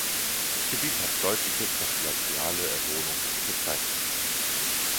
Das Gebiet hat deutliche postglaziale Erholung verzeichnet.